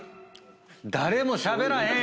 誰もしゃべらへんやん！